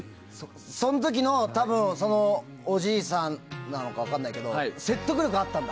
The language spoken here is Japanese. その時の、多分、そのおじいさんなのか分からないけど説得力あったんだ？